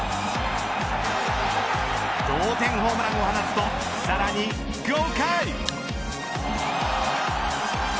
同点ホームランを放つとさらに５回。